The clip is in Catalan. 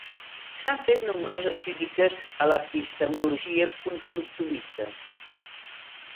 S'han fet nombroses crítiques a l'epistemologia constructivista.